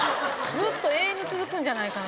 ずっと永遠に続くんじゃないかな。